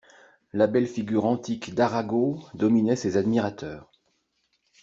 La belle figure antique d'Arago dominait ses admirateurs.